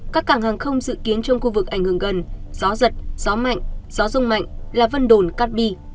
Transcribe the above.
các cảng hàng không dự kiến trong khu vực ảnh hưởng gần gió giật gió mạnh gió rung mạnh là vân đồn cát bi